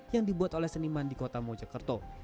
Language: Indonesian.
yang dibuat oleh seniman di kota mojokerto